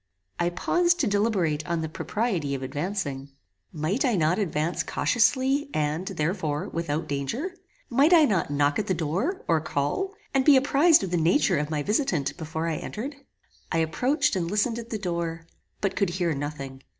I paused to deliberate on the propriety of advancing. Might I not advance cautiously, and, therefore, without danger? Might I not knock at the door, or call, and be apprized of the nature of my visitant before I entered? I approached and listened at the door, but could hear nothing.